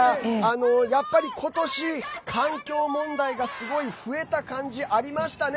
やっぱり、今年、環境問題がすごい増えた感じありましたね。